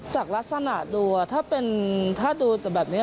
จากลักษณะดูถ้าดูแบบนี้